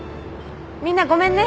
みんなごめんね。